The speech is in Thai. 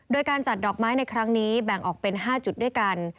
โดยการจัดดอกไม้ในครั้งนี้แบ่งออกเป็น๕จุดด้วยกัน